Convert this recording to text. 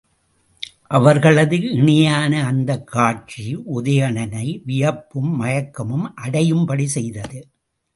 அவர்களது இணையான அந்தக் காட்சி உதயணனை வியப்பும் மயக்கமும் அடையும்படி செய்தது.